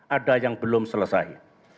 ada yang belum selesai